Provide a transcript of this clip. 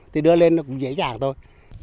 thì đưa lên cũng dễ dàng thôi